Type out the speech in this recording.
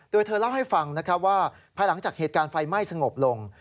โดยเธอเล่าให้ฟังนะครับว่าภายหลังจากเหตุการณ์ไฟไหม้สงบลง